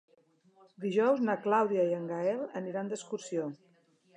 Dijous na Clàudia i en Gaël aniran d'excursió.